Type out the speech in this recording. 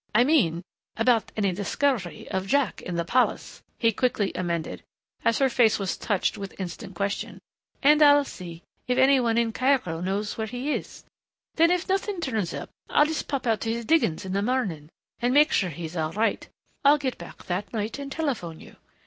"I mean, about any discovery of Jack in the palace," he quickly amended as her face was touched with instant question. "And I'll see if any one in Cairo knows where he is. Then if nothing turns up I'll just pop out to his diggings in the morning and make sure he's all right.... I'll get back that night and telephone you.